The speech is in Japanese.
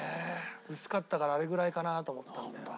薄かったからあれぐらいかなと思ったんだよな。